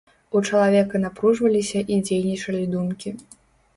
У чалавека напружваліся і дзейнічалі думкі.